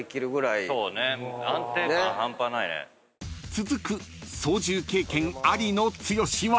［続く操縦経験ありの剛は］